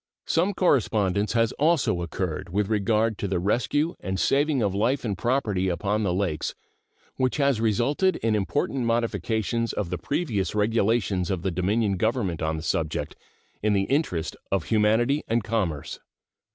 Some correspondence has also occurred with regard to the rescue and saving of life and property upon the Lakes, which has resulted in important modifications of the previous regulations of the Dominion government on the subject in the interest of humanity and commerce.